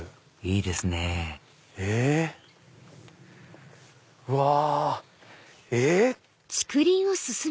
いいですねうわえっ